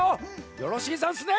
よろしいざんすね？